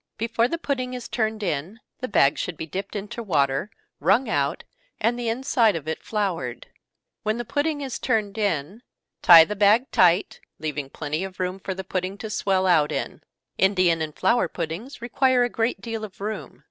Before the pudding is turned in, the bag should be dipped into water, wrung out, and the inside of it floured. When the pudding is turned in, tie the bag tight, leaving plenty of room for the pudding to swell out in. Indian and flour puddings require a great deal of room.